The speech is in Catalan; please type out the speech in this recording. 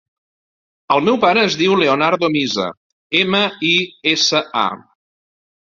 El meu pare es diu Leonardo Misa: ema, i, essa, a.